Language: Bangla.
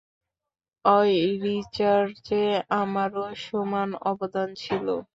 অই রিসার্চে আমারও সমান অবদান ছিল।